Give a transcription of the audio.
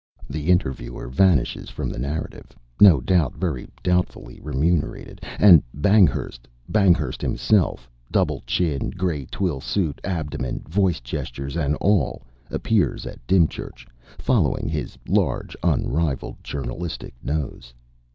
The interviewer vanishes from the narrative, no doubt very doubtfully remunerated, and Banghurst, Banghurst himself, double chin, grey twill suit, abdomen, voice, gestures and all, appears at Dymchurch, following his large, unrivalled journalistic nose.